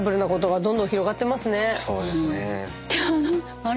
そうですね。